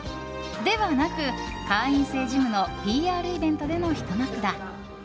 ではなく、会員制ジムのＰＲイベントでのひと幕だ。